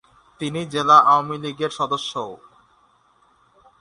তিনি জেলা আওয়ামী লীগের সদস্যও।